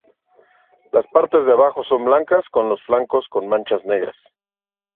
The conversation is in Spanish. Las partes de abajo son blancas con los flancos con manchas negras.